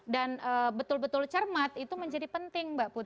dan betul betul cermat itu menjadi penting mbak putri